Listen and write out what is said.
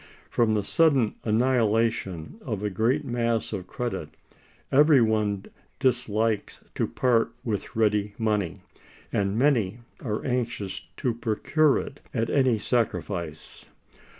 From the sudden annihilation of a great mass of credit, every one dislikes to part with ready money, and many are anxious to procure it at any sacrifice.